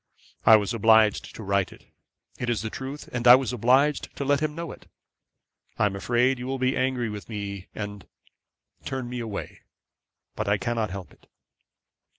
I was obliged to write it. It is the truth, and I was obliged to let him know it. I am afraid you will be angry with me, and turn me away; but I cannot help it.'